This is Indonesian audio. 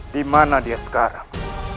dimana dia sekarang